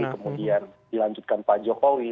kemudian dilanjutkan pak jokowi